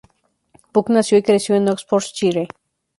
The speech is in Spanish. Pugh nació y creció en Oxfordshire.